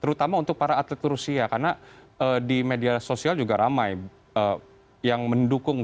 terutama untuk para atlet rusia karena di media sosial juga ramai yang mendukung